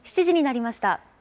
７時になりました。